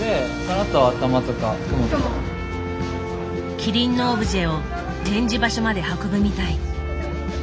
麒麟のオブジェを展示場所まで運ぶみたい。